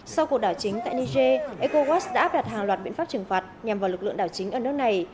sau cuộc đảo chính tại niger ecowas đã áp đặt hàng loạt biện pháp trừng phạt nhằm vào lực lượng đảo chính ở nước này